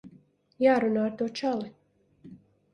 Jārunā ar to čali.